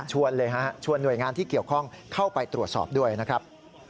เลยฮะชวนหน่วยงานที่เกี่ยวข้องเข้าไปตรวจสอบด้วยนะครับ